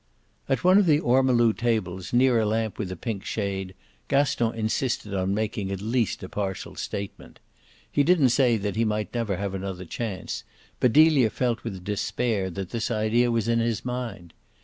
At one of the ormolu tables, near a lamp with a pink shade, Gaston insisted on making at least a partial statement. He didn't say that he might never have another chance, but Delia felt with despair that this idea was in his mind.